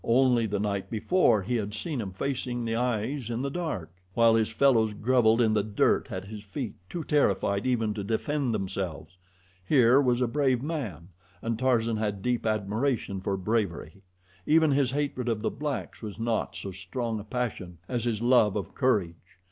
Only the night before he had seen him facing the eyes in the dark, while his fellows groveled in the dirt at his feet, too terrified even to defend themselves. Here was a brave man, and Tarzan had deep admiration for bravery. Even his hatred of the blacks was not so strong a passion as his love of courage.